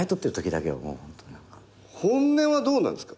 本音はどうなんですか？